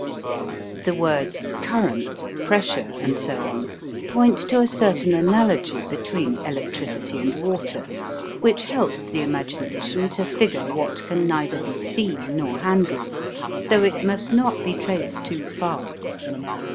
The words "current," "pressure," and so on point to a certain analogy between electricity and water, which helps the imagination to figure what can neither be seen nor handled, though it must not be traced too far.